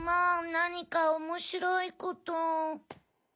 なにかおもしろいこと。